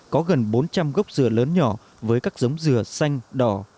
có gần bốn trăm linh gốc dừa lớn nhỏ với các giống dừa xanh đỏ